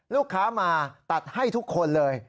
ลูกค้ามาตัดให้ทุกคนเลย